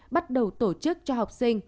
bắt đầu tổ chức cho học sinh